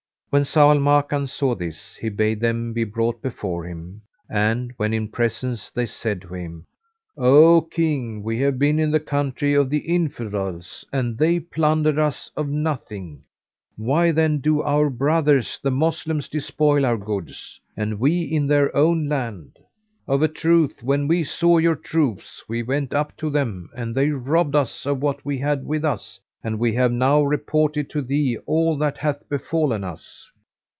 When Zau al Makan saw this, he bade them be brought before him and, when in presence they said to him, "O King, we have been in the country of the Infidels and they plundered us of nothing: why then do our brothers the Moslems despoil our goods, and we in their own land? Of a truth when we saw your troops, we went up to them; and they robbed us of what we had with us and we have now reported to thee all that hath befallen us."